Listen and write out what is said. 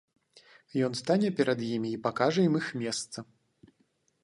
Ён стане перад імі і пакажа ім іх месца.